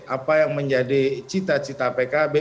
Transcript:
apa yang menjadi cita cita pkb